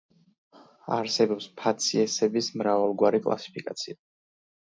არსებობს ფაციესების მრავალგვარი კლასიფიკაცია.